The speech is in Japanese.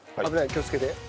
気をつけて。